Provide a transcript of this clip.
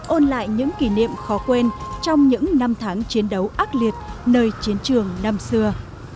ôn lại những kỷ niệm khó quên trong những năm tháng chiến đấu ác liệt nơi chiến trường năm xưa